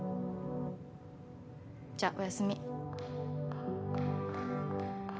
じゃあおやすみ。